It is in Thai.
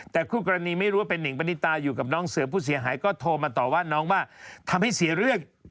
แต่คู่กรณีไม่รู้ว่าเป็นหนิงปณิตาอยู่กับน้องเสือผู้เสียหายก็โทรมาต่อว่าน้องว่าทำให้เสียเรื่อง